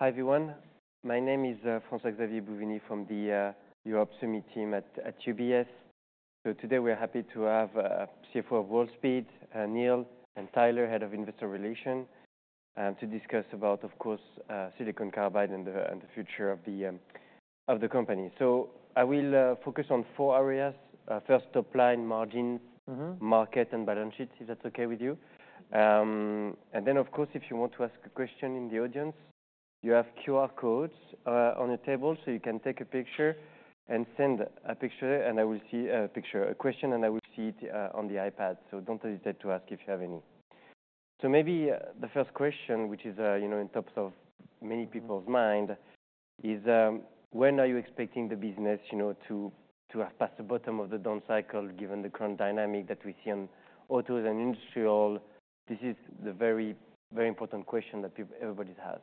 Hi everyone. My name is François-Xavier Bouvignies from the Europe Summit team at UBS. Today we're happy to have CFO of Wolfspeed, Neill, and Tyler, head of investor relation, to discuss about, of course, silicon carbide and the future of the company. I will focus on four areas. First, top line margin. Mm-hmm. Market and balance sheets, if that's okay with you, and then, of course, if you want to ask a question in the audience, you have QR codes on the table, so you can take a picture and send a picture, and I will see a picture, a question, and I will see it on the iPad. So don't hesitate to ask if you have any, so maybe the first question, which is, you know, at the top of many people's minds, is, when are you expecting the business, you know, to have passed the bottom of the down cycle given the current dynamic that we see in autos and industrial? This is the very, very important question that everybody has.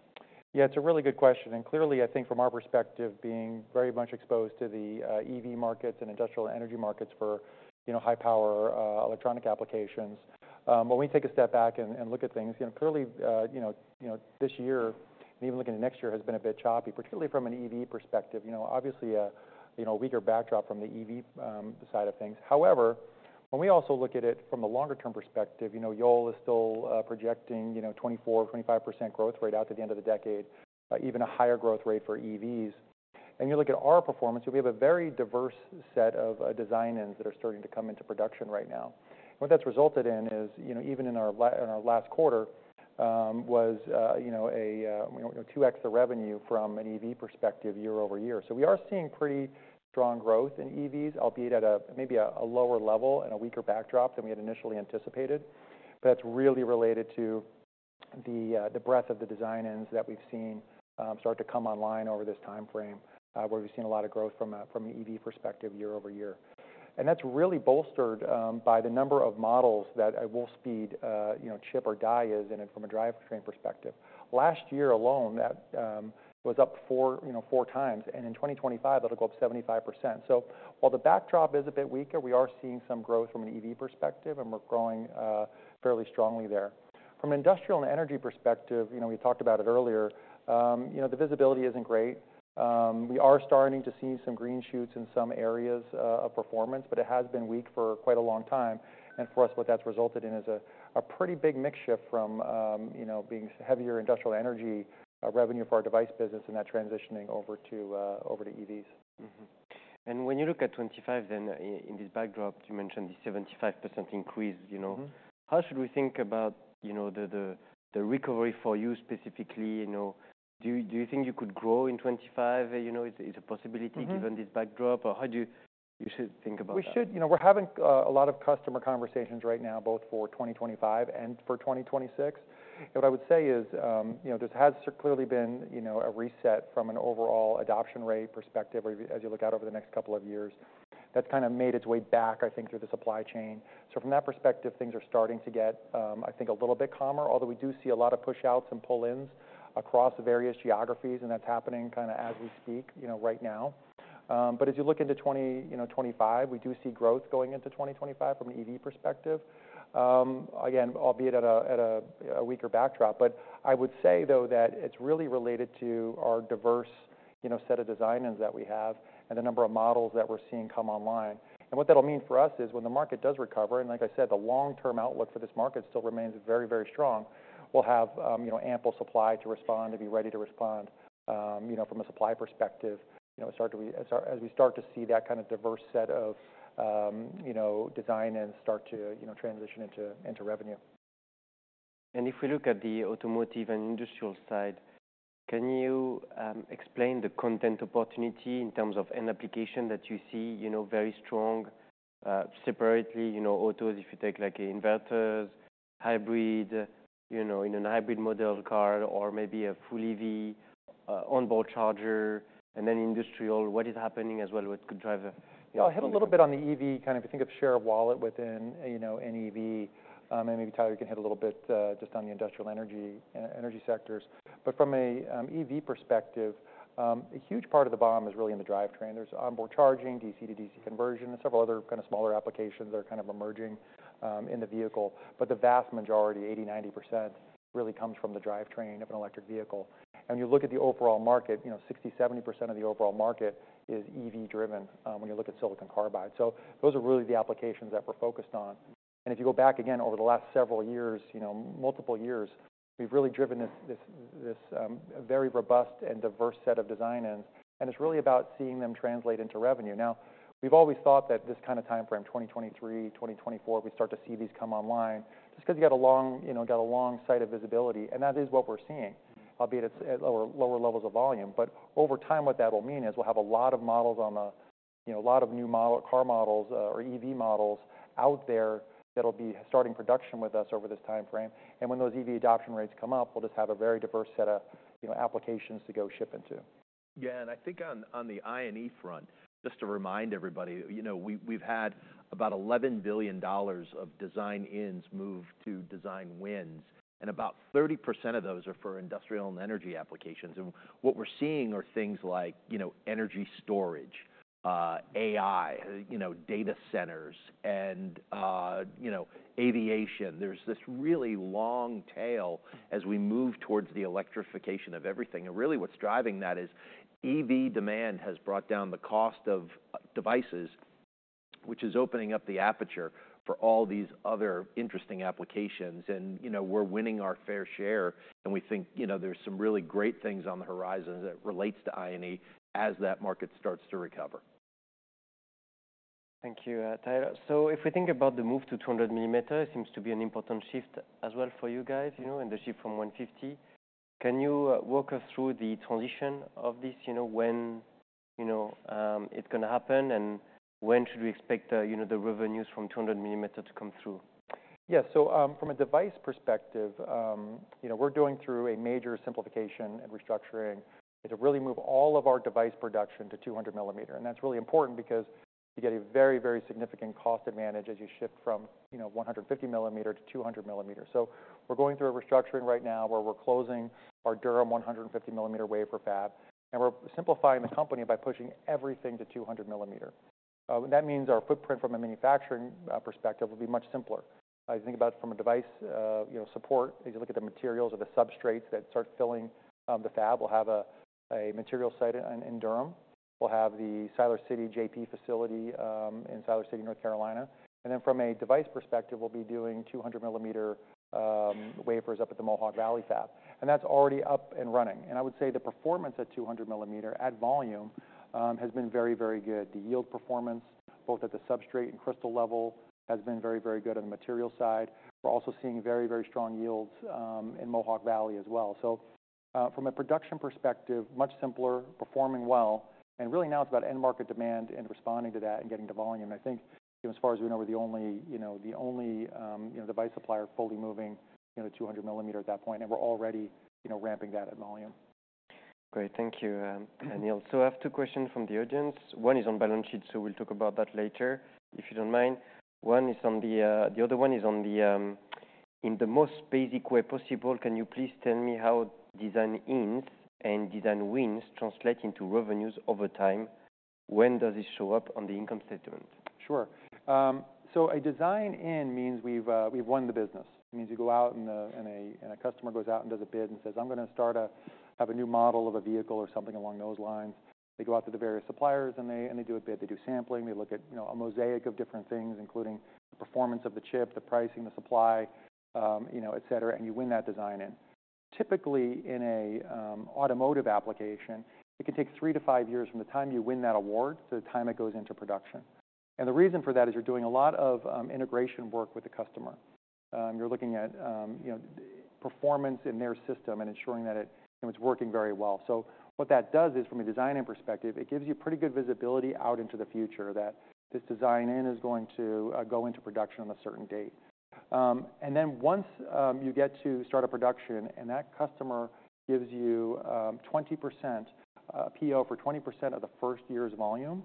Yeah, it's a really good question. And clearly, I think from our perspective, being very much exposed to the EV markets and industrial energy markets for, you know, high power electronic applications, when we take a step back and look at things, you know, clearly, you know, you know, this year, and even looking at next year, has been a bit choppy, particularly from an EV perspective. You know, obviously, you know, a weaker backdrop from the EV side of things. However, when we also look at it from a longer-term perspective, you know, Yole is still projecting, you know, 24%-25% growth rate out to the end of the decade, even a higher growth rate for EVs. And you look at our performance, we have a very diverse set of design-ins that are starting to come into production right now. What that's resulted in is, you know, even in our last quarter was 2x the revenue from an EV perspective year-over-year. So we are seeing pretty strong growth in EVs, albeit at maybe a lower level and a weaker backdrop than we had initially anticipated. But that's really related to the breadth of the design-ins that we've seen start to come online over this time frame, where we've seen a lot of growth from an EV perspective year-over-year. And that's really bolstered by the number of models that Wolfspeed chip or die is in from a drivetrain perspective. Last year alone, that was up 4x. And in 2025, that'll go up 75%. So while the backdrop is a bit weaker, we are seeing some growth from an EV perspective, and we're growing fairly strongly there. From an Industrial and Energy perspective, you know, we talked about it earlier, you know, the visibility isn't great. We are starting to see some green shoots in some areas of performance, but it has been weak for quite a long time, and for us, what that's resulted in is a pretty big mixture from, you know, being heavier industrial energy revenue for our device business and that transitioning over to EVs. Mm-hmm. And when you look at 2025, then, in this backdrop, you mentioned this 75% increase, you know. Mm-hmm. How should we think about, you know, the recovery for you specifically, you know? Do you think you could grow in 2025, you know, is a possibility. Mm-hmm. Given this backdrop? Or how should you think about that? We should, you know, we're having a lot of customer conversations right now, both for 2025 and for 2026, and what I would say is, you know, this has clearly been, you know, a reset from an overall adoption rate perspective, or as you look out over the next couple of years. That's kinda made its way back, I think, through the supply chain. So from that perspective, things are starting to get, I think, a little bit calmer. Although we do see a lot of push-outs and pull-ins across various geographies, and that's happening kinda as we speak, you know, right now, but as you look into 2025, we do see growth going into 2025 from an EV perspective, again, albeit at a weaker backdrop. But I would say, though, that it's really related to our diverse, you know, set of design-ins that we have and the number of models that we're seeing come online. And what that'll mean for us is when the market does recover, and like I said, the long-term outlook for this market still remains very, very strong, we'll have, you know, ample supply to respond, to be ready to respond, you know, from a supply perspective, you know, start to be as we start to see that kinda diverse set of, you know, design ins start to, you know, transition into revenue. If we look at the automotive and industrial side, can you explain the content opportunity in terms of an application that you see, you know, very strong, separately, you know, autos, if you take like inverters, hybrid, you know, in an hybrid model car, or maybe a full EV, onboard charger, and then industrial, what is happening as well, what could drive a? Yeah, I'll hit a little bit on the EV, kind of if you think of share of wallet within, you know, an EV. And maybe Tyler can hit a little bit, just on the industrial energy, energy sectors. But from an EV perspective, a huge part of the BOM is really in the drivetrain. There's onboard charging, DC to DC conversion, and several other kinda smaller applications that are kind of emerging, in the vehicle. But the vast majority, 80%-90%, really comes from the drivetrain of an electric vehicle. And when you look at the overall market, you know, 60%-70% of the overall market is EV-driven, when you look at silicon carbide. So those are really the applications that we're focused on. And if you go back again over the last several years, you know, multiple years, we've really driven this very robust and diverse set of design-ins. And it's really about seeing them translate into revenue. Now, we've always thought that this kinda time frame, 2023, 2024, we start to see these come online just 'cause you got a long, you know, sight of visibility. And that is what we're seeing, albeit it's at lower levels of volume. But over time, what that'll mean is we'll have a lot of models on the, you know, a lot of new model car models, or EV models out there that'll be starting production with us over this time frame. And when those EV adoption rates come up, we'll just have a very diverse set of, you know, applications to go ship into. Yeah. And I think on the I&E front, just to remind everybody, you know, we've had about $11 billion of design-ins move to design wins. And about 30% of those are for industrial and energy applications. And what we're seeing are things like, you know, energy storage, AI, you know, data centers, and, you know, aviation. There's this really long tail as we move towards the electrification of everything. And really what's driving that is EV demand has brought down the cost of devices, which is opening up the aperture for all these other interesting applications. And, you know, we're winning our fair share, and we think, you know, there's some really great things on the horizon as it relates to I&E as that market starts to recover. Thank you, Tyler. So if we think about the move to 200mm, it seems to be an important shift as well for you guys, you know, and the shift from 150mm. Can you walk us through the transition of this, you know, when, you know, it's gonna happen, and when should we expect, you know, the revenues from 200mm to come through? Yeah. So, from a device perspective, you know, we're going through a major simplification and restructuring to really move all of our device production to 200mm. And that's really important because you get a very, very significant cost advantage as you shift from, you know, 150mm to 200mm. So we're going through a restructuring right now where we're closing our Durham 150mm wafer fab, and we're simplifying the company by pushing everything to 200mm. That means our footprint from a manufacturing perspective will be much simpler. If you think about from a device, you know, support, as you look at the materials or the substrates that start filling the fab, we'll have a material site in Durham. We'll have the Siler City JP facility in Siler City, North Carolina. And then from a device perspective, we'll be doing 200mm wafers up at the Mohawk Valley fab. And that's already up and running. And I would say the performance at 200mm at volume has been very, very good. The yield performance, both at the substrate and crystal level, has been very, very good on the Materials side. We're also seeing very, very strong yields in Mohawk Valley as well. So from a production perspective, much simpler, performing well. And really now it's about end market demand and responding to that and getting to volume. And I think, you know, as far as we know, we're the only device supplier fully moving, you know, to 200mm at that point. And we're already, you know, ramping that at volume. Great. Thank you, Neill, so I have two questions from the audience. One is on balance sheet, so we'll talk about that later, if you don't mind. The other one is, in the most basic way possible, can you please tell me how design-ins and design wins translate into revenues over time? When does this show up on the income statement? Sure. So a design-in means we've won the business. It means you go out and a customer goes out and does a bid and says, "I'm gonna have a new model of a vehicle or something along those lines." They go out to the various suppliers and they do a bid. They do sampling. They look at, you know, a mosaic of different things, including the performance of the chip, the pricing, the supply, you know, et cetera, and you win that design in. Typically, in an automotive application, it can take three to five years from the time you win that award to the time it goes into production. And the reason for that is you're doing a lot of integration work with the customer. You're looking at, you know, performance in their system and ensuring that it, you know, it's working very well, so what that does is from a design in perspective, it gives you pretty good visibility out into the future that this design in is going to go into production on a certain date, and then once you get to start a production and that customer gives you 20% PO for 20% of the first year's volume,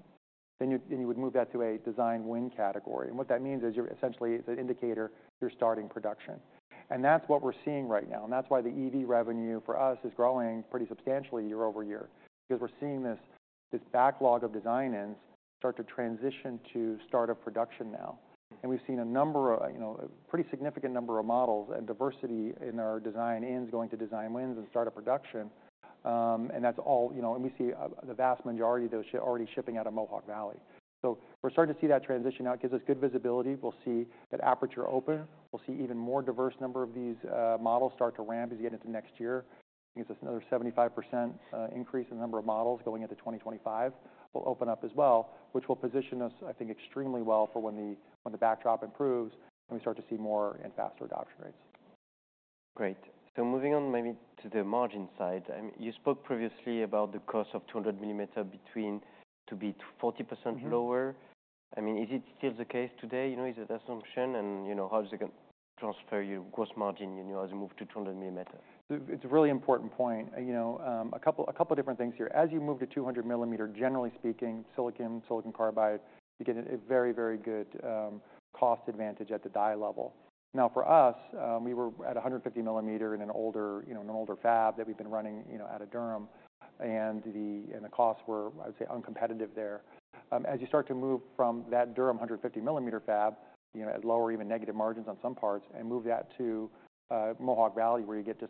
then you would move that to a design win category, and what that means is you're essentially, it's an indicator you're starting production, and that's what we're seeing right now, and that's why the EV revenue for us is growing pretty substantially year-over-year, because we're seeing this backlog of design ins start to transition to start of production now. We've seen a number of, you know, a pretty significant number of models and diversity in our design-ins going to design wins and start of production, and that's all, you know, and we see the vast majority of those already shipping out of Mohawk Valley, so we're starting to see that transition now. It gives us good visibility. We'll see that aperture open. We'll see even more diverse number of these models start to ramp as you get into next year. It gives us another 75% increase in the number of models going into 2025. We'll open up as well, which will position us, I think, extremely well for when the backdrop improves and we start to see more and faster adoption rates. Great. So moving on maybe to the margin side, you spoke previously about the cost of 200mm to be 40% lower. I mean, is it still the case today, you know, is that assumption? And, you know, how is it gonna transfer your gross margin, you know, as you move to 200mm? So it's a really important point. You know, a couple different things here. As you move to 200mm, generally speaking, silicon carbide, you get a very, very good cost advantage at the die level. Now for us, we were at 150mm in an older, you know, in an older fab that we've been running, you know, out of Durham. And the costs were, I would say, uncompetitive there. As you start to move from that Durham 150mm fab, you know, at lower, even negative margins on some parts, and move that to Mohawk Valley, where you get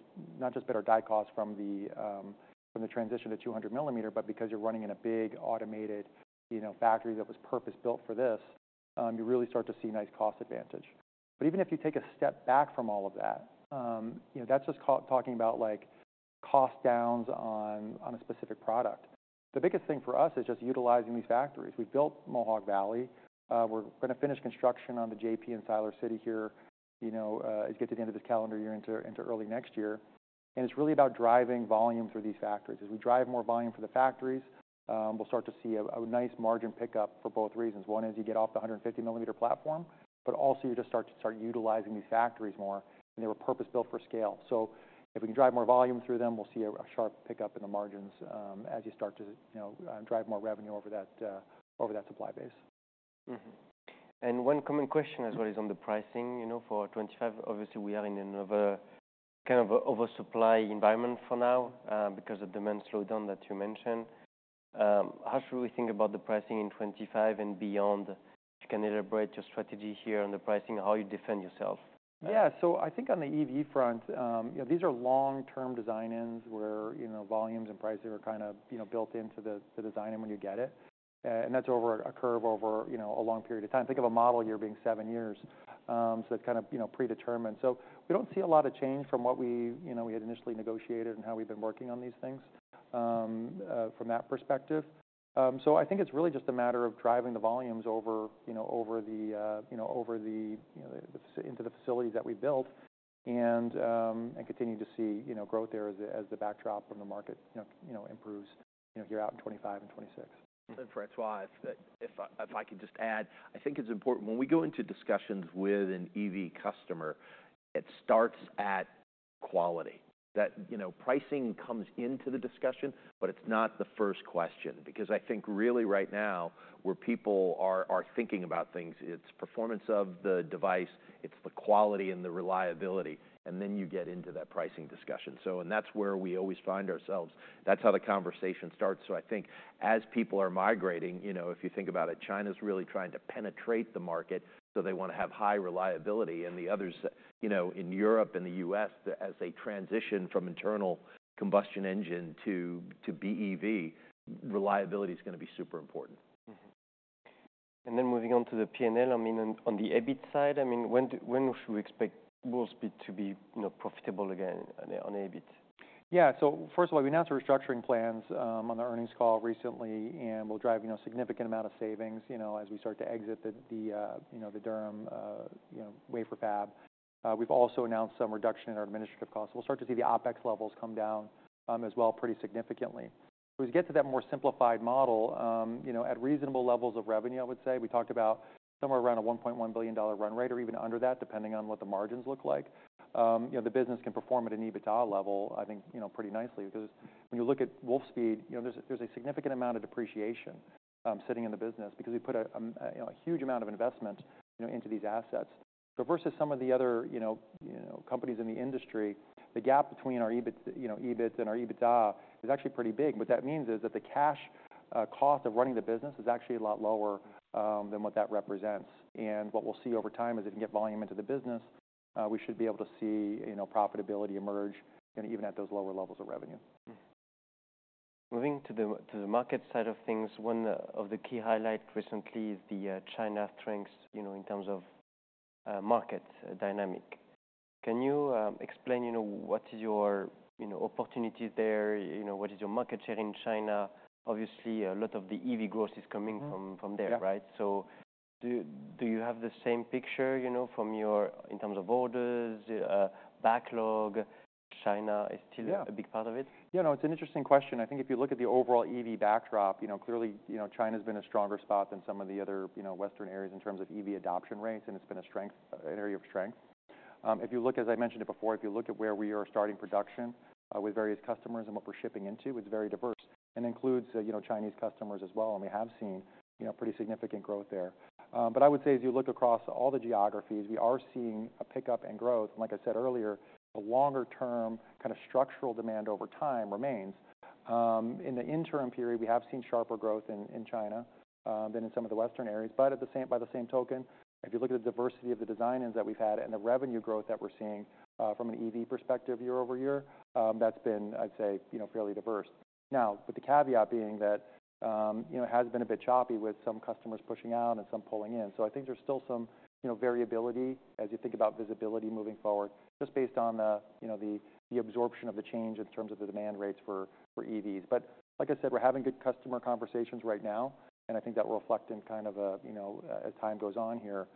not just better die costs from the transition to 200mm, but because you're running in a big automated, you know, factory that was purpose-built for this, you really start to see nice cost advantage. But even if you take a step back from all of that, you know, that's just us talking about like cost downs on, on a specific product. The biggest thing for us is just utilizing these factories. We've built Mohawk Valley. We're gonna finish construction on the JP in Siler City here, you know, as you get to the end of this calendar year into early next year. And it's really about driving volume through these factories. As we drive more volume for the factories, we'll start to see a nice margin pickup for both reasons. One is you get off the 150mm platform, but also you just start utilizing these factories more, and they were purpose-built for scale. So if we can drive more volume through them, we'll see a sharp pickup in the margins, as you start to, you know, drive more revenue over that supply base. Mm-hmm. And one common question as well is on the pricing, you know, for 2025. Obviously, we are in another kind of oversupply environment for now, because of demand slowdown that you mentioned. How should we think about the pricing in 2025 and beyond? If you can elaborate your strategy here on the pricing, how you defend yourself? Yeah, so I think on the EV front, you know, these are long-term design ins where, you know, volumes and pricing are kinda, you know, built into the design in when you get it, and that's over a curve over, you know, a long period of time. Think of a model year being seven years, so that's kinda, you know, predetermined, so we don't see a lot of change from what we, you know, had initially negotiated and how we've been working on these things, from that perspective, so I think it's really just a matter of driving the volumes over, you know, into the facilities that we've built. And continue to see, you know, growth there as the backdrop from the market, you know, improves, you know, here out in 2025 and 2026. François, if I can just add, I think it's important when we go into discussions with an EV customer. It starts at quality. That, you know, pricing comes into the discussion, but it's not the first question. Because I think really right now where people are thinking about things, it's performance of the device, it's the quality and the reliability, and then you get into that pricing discussion. And that's where we always find ourselves. That's how the conversation starts. I think as people are migrating, you know, if you think about it, China's really trying to penetrate the market, so they wanna have high reliability. And the others, you know, in Europe and the US, as they transition from internal combustion engine to BEV, reliability's gonna be super important. And then moving on to the P&L, I mean, on the EBIT side, I mean, when should we expect Wolfspeed to be, you know, profitable again on EBIT? Yeah. So first of all, we announced restructuring plans on the earnings call recently, and we'll drive, you know, a significant amount of savings, you know, as we start to exit the you know, the Durham wafer fab. We've also announced some reduction in our administrative costs. We'll start to see the OpEx levels come down, as well, pretty significantly. So as you get to that more simplified model, you know, at reasonable levels of revenue, I would say, we talked about somewhere around a $1.1 billion run rate or even under that, depending on what the margins look like. You know, the business can perform at an EBITDA level, I think, you know, pretty nicely. Because when you look at Wolfspeed, you know, there's a significant amount of depreciation sitting in the business because we put a you know a huge amount of investment you know into these assets. So versus some of the other you know companies in the industry, the gap between our EBIT you know EBIT and our EBITDA is actually pretty big. What that means is that the cash cost of running the business is actually a lot lower than what that represents, and what we'll see over time is if you can get volume into the business, we should be able to see you know profitability emerge you know even at those lower levels of revenue. Moving to the market side of things, one of the key highlights recently is the China strengths, you know, in terms of market dynamics. Can you explain, you know, what is your opportunities there? You know, what is your market share in China? Obviously, a lot of the EV growth is coming from there, right? So do you have the same picture, you know, from your in terms of orders, backlog? China is still a big part of it? Yeah. You know, it's an interesting question. I think if you look at the overall EV backdrop, you know, clearly, you know, China's been a stronger spot than some of the other, you know, Western areas in terms of EV adoption rates, and it's been a strength, an area of strength. If you look, as I mentioned it before, if you look at where we are starting production, with various customers and what we're shipping into, it's very diverse and includes, you know, Chinese customers as well. And we have seen, you know, pretty significant growth there. But I would say as you look across all the geographies, we are seeing a pickup and growth. And like I said earlier, the longer-term kind of structural demand over time remains. In the interim period, we have seen sharper growth in China, than in some of the Western areas. But at the same, by the same token, if you look at the diversity of the design ins that we've had and the revenue growth that we're seeing, from an EV perspective year-over-year, that's been, I'd say, you know, fairly diverse. Now, with the caveat being that, you know, it has been a bit choppy with some customers pushing out and some pulling in. So I think there's still some, you know, variability as you think about visibility moving forward, just based on the, you know, the absorption of the change in terms of the demand rates for EVs. But like I said, we're having good customer conversations right now, and I think that will reflect in kind of a, you know, as time goes on here,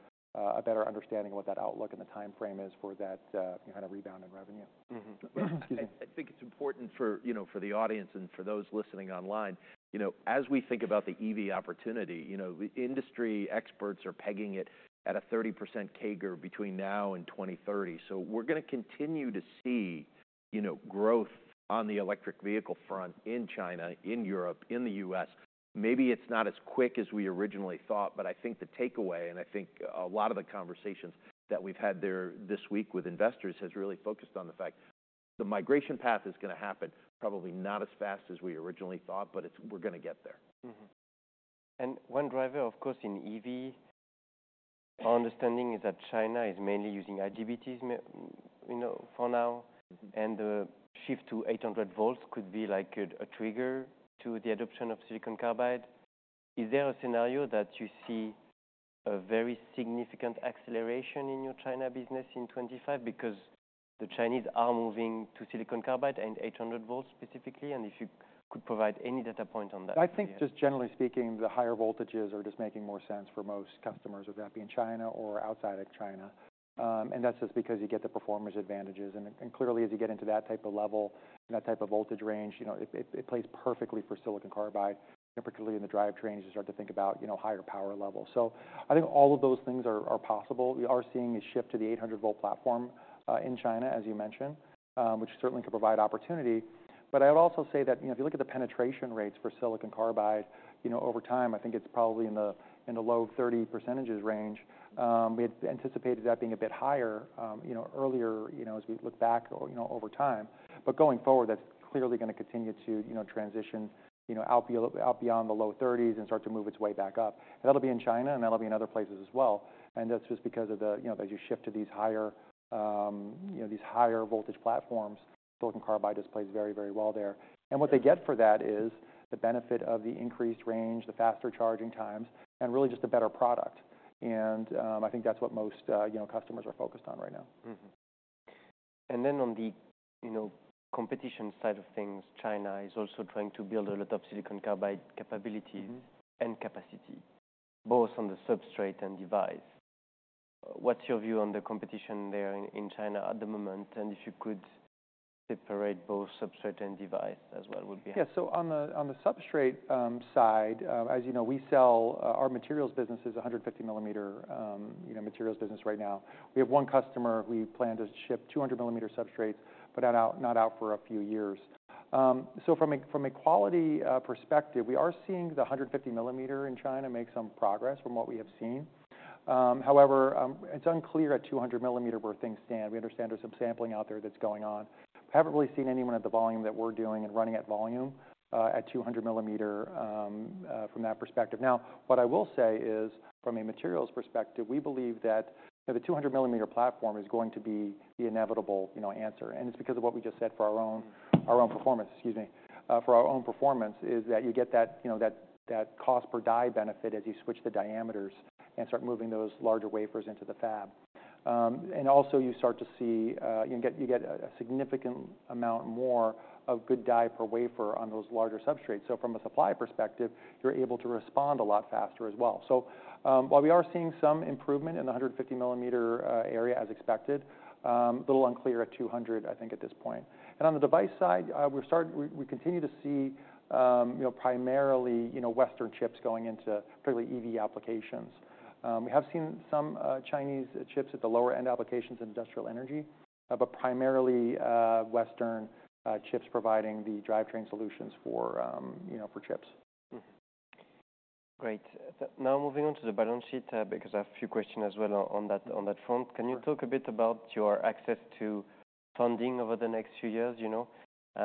a better understanding of what that outlook and the timeframe is for that, kind of rebound in revenue. Mm-hmm. Excuse me. I think it's important for, you know, for the audience and for those listening online, you know, as we think about the EV opportunity, you know, the industry experts are pegging it at a 30% CAGR between now and 2030, so we're gonna continue to see, you know, growth on the electric vehicle front in China, in Europe, in the U.S. Maybe it's not as quick as we originally thought, but I think the takeaway, and I think a lot of the conversations that we've had there this week with investors has really focused on the fact the migration path is gonna happen probably not as fast as we originally thought, but it's, we're gonna get there. Mm-hmm. And one driver, of course, in EV, our understanding is that China is mainly using IGBTs, you know, for now. And the shift to 800V could be like a trigger to the adoption of silicon carbide. Is there a scenario that you see a very significant acceleration in your China business in 2025? Because the Chinese are moving to silicon carbide and 800V specifically. And if you could provide any data point on that. I think just generally speaking, the higher voltages are just making more sense for most customers, whether that be in China or outside of China. And that's just because you get the performance advantages. And clearly, as you get into that type of level, that type of voltage range, you know, it plays perfectly for silicon carbide, particularly in the drivetrains you start to think about, you know, higher power levels. So I think all of those things are possible. We are seeing a shift to the 800V platform, in China, as you mentioned, which certainly could provide opportunity. But I would also say that, you know, if you look at the penetration rates for silicon carbide, you know, over time, I think it's probably in the low 30% range. We had anticipated that being a bit higher, you know, earlier, you know, as we look back or, you know, over time. But going forward, that's clearly gonna continue to, you know, transition, you know, out beyond the low 30s and start to move its way back up. And that'll be in China, and that'll be in other places as well. And that's just because of the, you know, as you shift to these higher voltage platforms, silicon carbide displays very, very well there. And what they get for that is the benefit of the increased range, the faster charging times, and really just a better product. And I think that's what most, you know, customers are focused on right now. Mm-hmm. And then on the, you know, competition side of things, China is also trying to build a lot of silicon carbide capabilities and capacity, both on the Substrate and Device. What's your view on the competition there in China at the moment? And if you could separate both Substrate and Device as well, would be helpful. Yeah. So on the Substrate side, as you know, we sell our Materials business is a 150mm, you know, Materials business right now. We have one customer who we plan to ship 200mm substrates, but not out for a few years. So from a quality perspective, we are seeing the 150mm in China make some progress from what we have seen. However, it's unclear at 200mm where things stand. We understand there's some sampling out there that's going on. We haven't really seen anyone at the volume that we're doing and running at volume at 200mm from that perspective. Now, what I will say is from a Materials perspective, we believe that, you know, the 200mm platform is going to be the inevitable, you know, answer. It's because of what we just said for our own performance, excuse me, for our own performance. It's that you get that, you know, that cost per die benefit as you switch the diameters and start moving those larger wafers into the fab. And also you start to see you get a significant amount more of good die per wafer on those larger substrates. So from a supply perspective, you're able to respond a lot faster as well. So while we are seeing some improvement in the 150mm area as expected, a little unclear at 200mm, I think at this point. And on the device side, we continue to see, you know, primarily Western chips going into particularly EV applications. We have seen some Chinese chips at the lower end applications in industrial energy, but primarily Western chips providing the drivetrain solutions for, you know, for chips. Great. Now moving on to the balance sheet, because I have a few questions as well on that front. Can you talk a bit about your access to funding over the next few years, you know?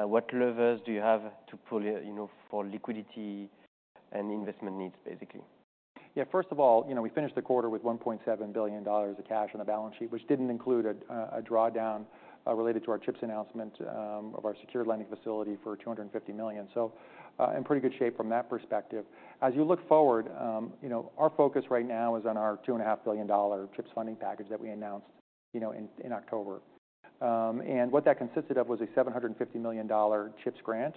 What levers do you have to pull, you know, for liquidity and investment needs, basically? Yeah. First of all, you know, we finished the quarter with $1.7 billion of cash on the balance sheet, which didn't include a drawdown related to our CHIPS announcement of our secured lending facility for $250 million. So, in pretty good shape from that perspective. As you look forward, you know, our focus right now is on our $2.5 billion CHIPS funding package that we announced, you know, in October. What that consisted of was a $750 million CHIPS grant,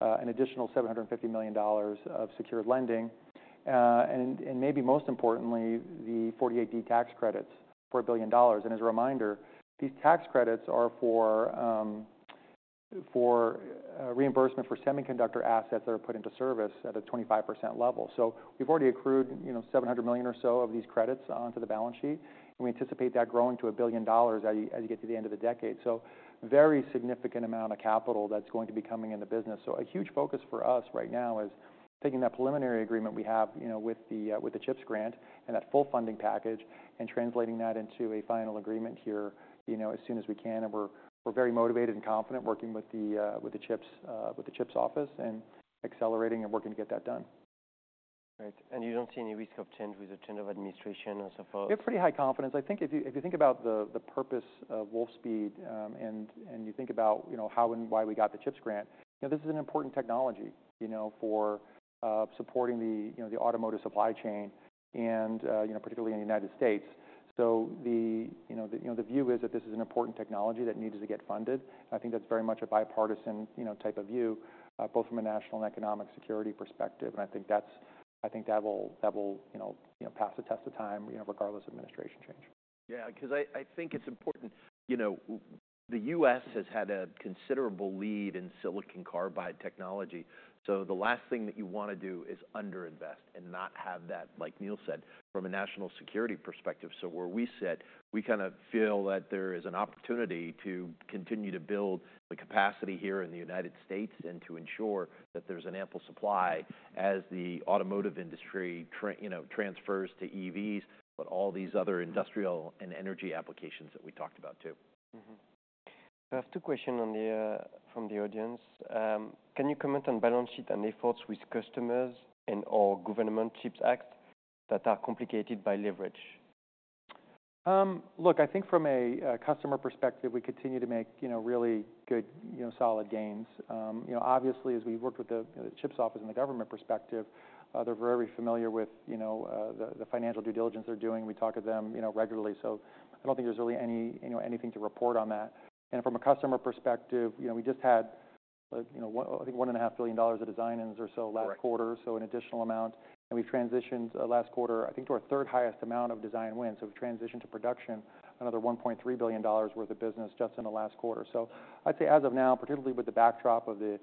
an additional $750 million of secured lending. And maybe most importantly, the 48D tax credits for $1 billion. And as a reminder, these tax credits are for reimbursement for semiconductor assets that are put into service at a 25% level. So we've already accrued, you know, $700 million or so of these credits onto the balance sheet. And we anticipate that growing to $1 billion as you get to the end of the decade. So very significant amount of capital that's going to be coming in the business. So a huge focus for us right now is taking that preliminary agreement we have, you know, with the CHIPS grant and that full funding package and translating that into a final agreement here, you know, as soon as we can. And we're very motivated and confident working with the CHIPS office and accelerating and working to get that done. Great. And you don't see any risk of change with the change of administration and so forth? We have pretty high confidence. I think if you think about the purpose of Wolfspeed, and you think about how and why we got the CHIPS grant, you know, this is an important technology, you know, for supporting the automotive supply chain, you know, particularly in the United States. The view is that this is an important technology that needs to get funded. I think that's very much a bipartisan, you know, type of view, both from a national and economic security perspective. I think that will pass the test of time, you know, regardless of administration change. Yeah. 'Cause I think it's important, you know, the U.S. has had a considerable lead in silicon carbide technology. So the last thing that you wanna do is underinvest and not have that, like Neill said, from a national security perspective. So where we sit, we kind of feel that there is an opportunity to continue to build the capacity here in the United States and to ensure that there's an ample supply as the automotive industry, you know, transfers to EVs, but all these other Industrial and Energy applications that we talked about too. Mm-hmm. I have two questions on the, from the audience. Can you comment on balance sheet and efforts with customers and/or government CHIPS acts that are complicated by leverage? Look, I think from a customer perspective, we continue to make, you know, really good, you know, solid gains. You know, obviously, as we've worked with the, you know, the CHIPS office and the government perspective, they're very familiar with, you know, the financial due diligence they're doing. We talk with them, you know, regularly. So I don't think there's really any, you know, anything to report on that. And from a customer perspective, you know, we just had, you know, one, I think $1.5 billion of design-ins or so last quarter, so an additional amount. And we've transitioned, last quarter, I think to our third highest amount of design wins. So we've transitioned to production another $1.3 billion worth of business just in the last quarter. So I'd say as of now, particularly with the backdrop of the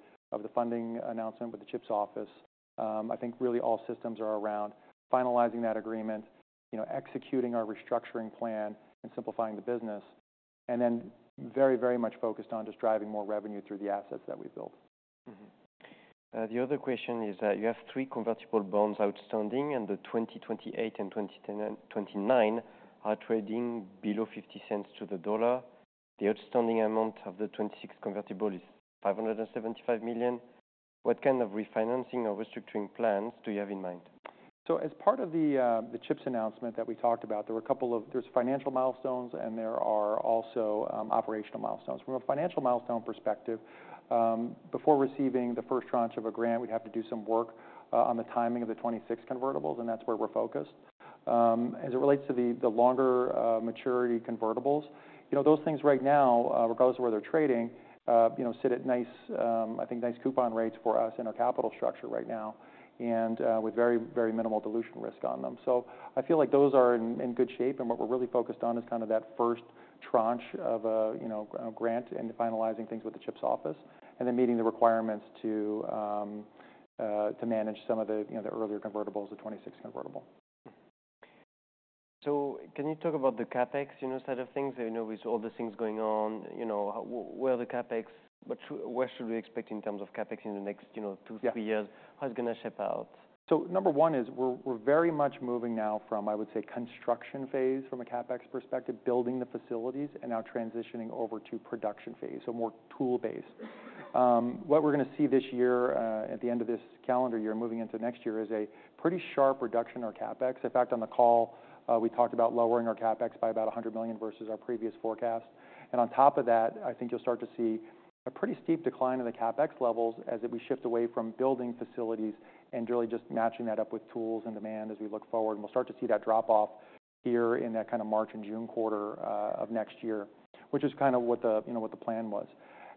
funding announcement with the CHIPS office, I think really all systems are around finalizing that agreement, you know, executing our restructuring plan, and simplifying the business, and then very, very much focused on just driving more revenue through the assets that we've built. The other question is that you have three convertible bonds outstanding, and the 2028 and 2029 are trading below $0.50 to the dollar. The outstanding amount of the 2026 convertible is $575 million. What kind of refinancing or restructuring plans do you have in mind? So as part of the CHIPS announcement that we talked about, there were a couple of financial milestones, and there are also operational milestones. From a financial milestone perspective, before receiving the first tranche of a grant, we'd have to do some work on the timing of the 2026 convertibles, and that's where we're focused. As it relates to the longer maturity convertibles, you know, those things right now, regardless of where they're trading, you know, sit at nice, I think, nice coupon rates for us in our capital structure right now, and with very, very minimal dilution risk on them. So I feel like those are in good shape. What we're really focused on is kind of that first tranche of a, you know, grant and finalizing things with the CHIPS office and then meeting the requirements to manage some of the, you know, the earlier convertibles, the 2026 convertible. So can you talk about the CapEx, you know, side of things? You know, with all the things going on, you know, how, where the CapEx, what should, where should we expect in terms of CapEx in the next, you know, two, three years? Yeah. How it's gonna shape out? So number one is we're very much moving now from, I would say, construction phase from a CapEx perspective, building the facilities, and now transitioning over to production phase, so more tool-based. What we're gonna see this year, at the end of this calendar year, moving into next year is a pretty sharp reduction in our CapEx. In fact, on the call, we talked about lowering our CapEx by about $100 million versus our previous forecast. And on top of that, I think you'll start to see a pretty steep decline in the CapEx levels as we shift away from building facilities and really just matching that up with tools and demand as we look forward. And we'll start to see that drop off here in that kind of March and June quarter, of next year, which is kind of what the, you know, what the plan was.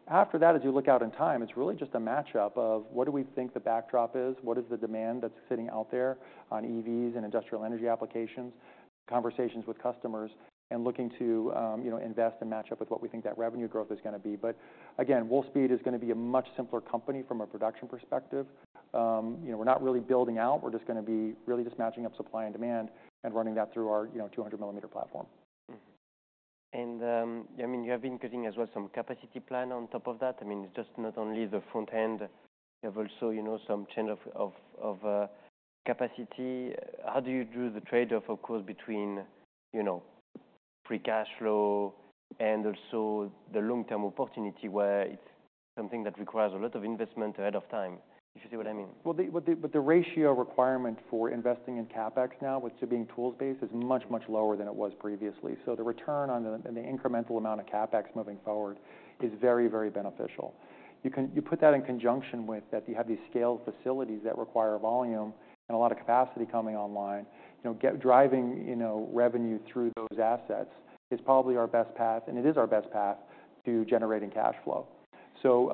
After that, as you look out in time, it's really just a matchup of what do we think the backdrop is, what is the demand that's sitting out there on EVs and industrial energy applications, conversations with customers, and looking to, you know, invest and match up with what we think that revenue growth is gonna be. But again, Wolfspeed is gonna be a much simpler company from a production perspective. You know, we're not really building out. We're just gonna be really just matching up supply and demand and running that through our, you know, 200mm platform. Mm-hmm. And, I mean, you have been getting as well some capacity plan on top of that. I mean, it's just not only the front end, you have also, you know, some change of capacity. How do you do the trade-off, of course, between, you know, free cash flow and also the long-term opportunity where it's something that requires a lot of investment ahead of time, if you see what I mean? But the ratio requirement for investing in CapEx now, which are being tools-based, is much, much lower than it was previously. So the return on the incremental amount of CapEx moving forward is very, very beneficial. You put that in conjunction with that you have these scaled facilities that require volume and a lot of capacity coming online. You know, get driving revenue through those assets is probably our best path, and it is our best path to generating cash flow. So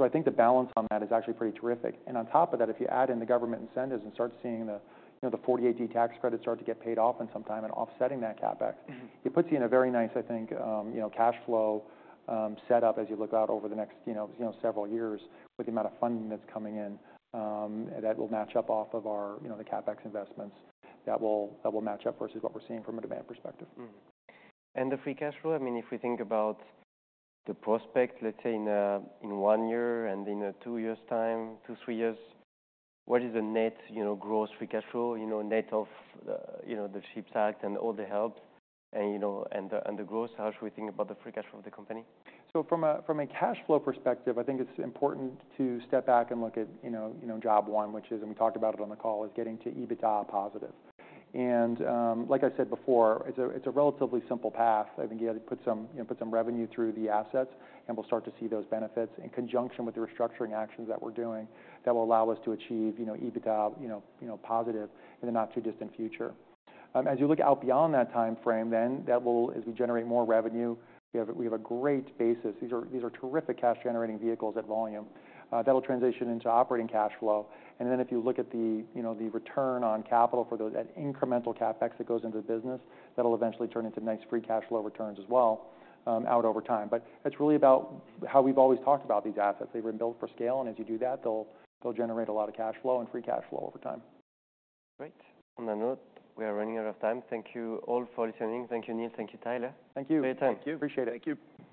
I think the balance on that is actually pretty terrific. On top of that, if you add in the government incentives and start seeing the, you know, the 48D tax credit start to get paid off in some time and offsetting that CapEx, it puts you in a very nice, I think, you know, cash flow setup as you look out over the next, you know, you know, several years with the amount of funding that's coming in that will match up off of our, you know, the CapEx investments that will, that will match up versus what we're seeing from a demand perspective. Mm-hmm. And the free cash flow, I mean, if we think about the prospect, let's say in, in one year and in a two years' time, two, three years, what is the net, you know, gross free cash flow, you know, net of the, you know, the CHIPS Act and all the help and, you know, and the, and the gross, how should we think about the free cash flow of the company? From a cash flow perspective, I think it's important to step back and look at, you know, job one, which is, and we talked about it on the call, is getting to EBITDA positive. Like I said before, it's a relatively simple path. I think you had to put some revenue through the assets, and we'll start to see those benefits in conjunction with the restructuring actions that we're doing that will allow us to achieve EBITDA positive in the not too distant future. As you look out beyond that timeframe, then that will, as we generate more revenue, we have a great basis. These are terrific cash-generating vehicles at volume, that'll transition into operating cash flow. And then if you look at the, you know, the return on capital for those that incremental CapEx that goes into the business, that'll eventually turn into nice free cash flow returns as well, out over time. But it's really about how we've always talked about these assets. They've been built for scale. And as you do that, they'll generate a lot of cash flow and free cash flow over time. Great. On a note, we are running out of time. Thank you all for listening. Thank you, Neill. Thank you, Tyler. Thank you. For your time. Thank you. Appreciate it. Thank you.